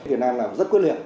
việt nam làm rất quyết liệt